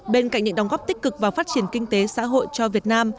bên cạnh những đóng góp tích cực vào phát triển kinh tế xã hội cho việt nam